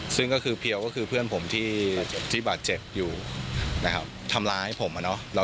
ซึ่งเพียวก็คือเพื่อนผมที่บาดเจ็บเหมือนแบบนี้ทำร้ายตัวผมนะ